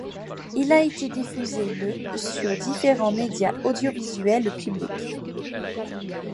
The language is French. Il a été diffusé le sur différents médias audiovisuels publics.